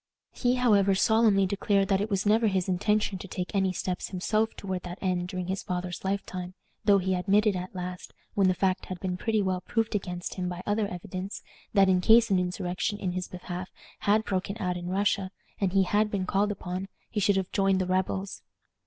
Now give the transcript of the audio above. He, however, solemnly declared that it was never his intention to take any steps himself toward that end during his father's lifetime, though he admitted, at last, when the fact had been pretty well proved against him by other evidence, that, in case an insurrection in his behalf had broken out in Russia, and he had been called upon, he should have joined the rebels.